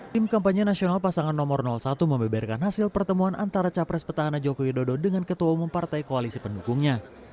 tim kampanye nasional pasangan nomor satu membeberkan hasil pertemuan antara capres petahana joko widodo dengan ketua umum partai koalisi pendukungnya